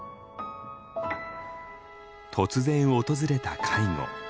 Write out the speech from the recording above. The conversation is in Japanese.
突然訪れた介護。